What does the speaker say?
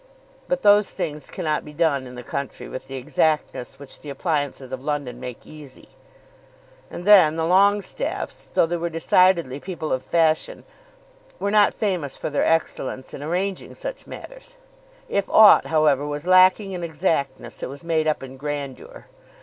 But those things cannot be done in the country with the exactness which the appliances of London make easy; and then the Longestaffes, though they were decidedly people of fashion, were not famous for their excellence in arranging such matters. If aught, however, was lacking in exactness, it was made up in grandeur.